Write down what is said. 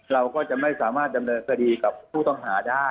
เราก็จะไม่สามารถดำเนินคดีกับผู้ต้องหาได้